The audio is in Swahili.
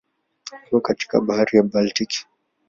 Iko kando ya Bahari ya Baltiki.